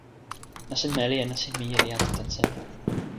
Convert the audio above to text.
nasin meli en nasin mije li ante tan seme?